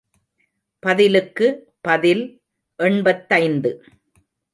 பதிலுக்கு பதில் எண்பத்தைந்து.